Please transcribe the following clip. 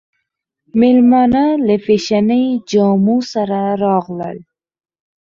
مېلمانه له فېشني جامو سره راغلل.